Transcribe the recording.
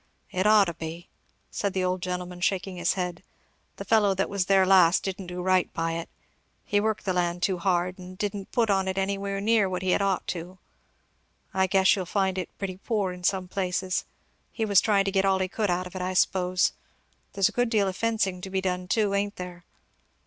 "It ought to be," said the old gentleman shaking his head, the fellow that was there last didn't do right by it he worked the land too hard, and didn't put on it anywhere near what he had ought to I guess you'll find it pretty poor in some places. He was trying to get all he could out of it, I s'pose. There's a good deal of fencing to be done too, ain't there?"